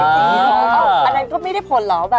อันนั้นก็ไม่ได้ผลเหรอ